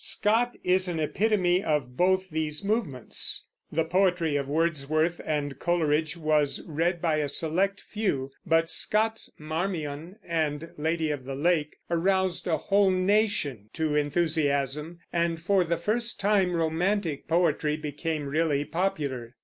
Scott is an epitome of both these movements. The poetry of Wordsworth and Coleridge was read by a select few, but Scott's Marmion and Lady of the Lake aroused a whole nation to enthusiasm, and for the first time romantic poetry became really popular.